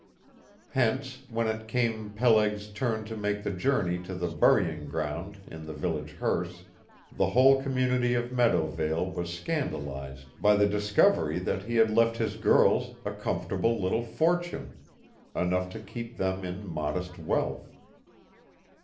Hence, when it came Peleg's turn to make the journey to the burying ground in the village hearse, the whole community of Meadowvale was scandalized by the discovery that he had left his girls a comfortable little fortune, enough to keep them in modest wealth.